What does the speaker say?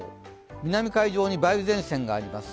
南海上に梅雨前線があります。